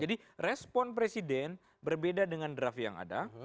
jadi respon presiden berbeda dengan draft yang ada